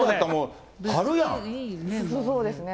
そうですね。